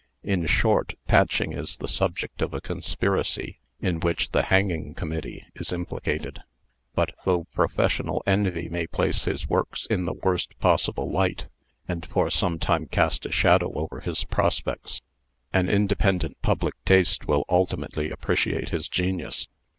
In short, Patching is the subject of a conspiracy in which the Hanging Committee is implicated. But though professional envy may place his works in the worst possible light, and for some time cast a shadow over his prospects, an independent public taste will ultimately appreciate his genius.